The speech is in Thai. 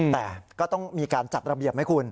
แต่ก็ต้องมีการจัดระเบียบไหมคุณ